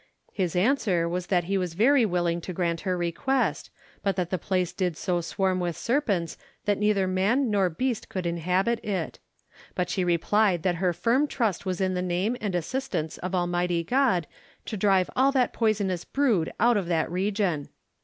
His answer was that he was very willing to grant her request, but that the place did so swarm with serpents that neither man nor beast could inhabit it. But she replied that her firm trust was in the name and assistance of Almighty God to drive all that poisonous brood out of that region.